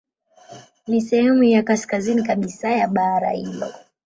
Ni sehemu ya kaskazini kabisa ya bara hilo.